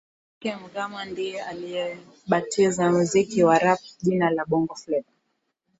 Mike Mhagama ndiye aliyeubatiza muziki wa Rap jina la Bongo Fleva